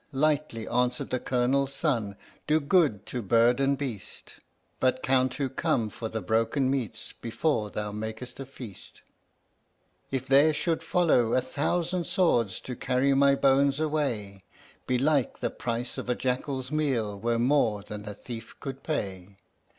Lightly answered the Colonel's son: "Do good to bird and beast, But count who come for the broken meats before thou makest a feast. "If there should follow a thousand swords to carry my bones away, Belike the price of a jackal's meal were more than a thief could pay.